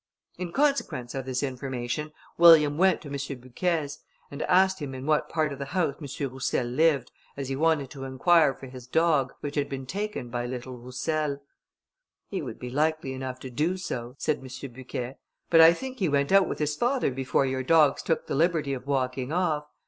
In consequence of this information, William went to M. Bucquet's, and asked him in what part of the house M. Roussel lived, as he wanted to inquire for his dog, which had been taken by little Roussel. "He would be likely enough to do so," said M. Bucquet; "but I think he went out with his father before your dogs took the liberty of walking off.